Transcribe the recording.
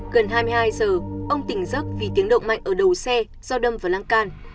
gần hai mươi hai h ông tỉnh giấc vì tiếng động mạnh ở đầu xe do đâm và lăng can